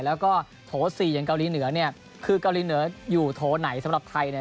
แล้วก็โถ๔อย่างเกาหลีเหนือเนี่ยคือเกาหลีเหนืออยู่โถไหนสำหรับไทยเนี่ย